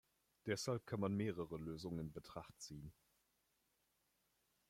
Deshalb kann man mehrere Lösungen in Betracht ziehen.